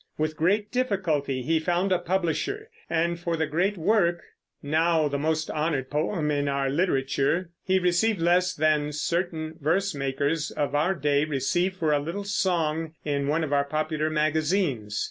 With great difficulty he found a publisher, and for the great work, now the most honored poem in our literature, he received less than certain verse makers of our day receive for a little song in one of our popular magazines.